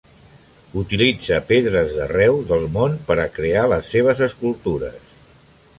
Utilitza pedres d'arreu del món per a crear les seves escultures.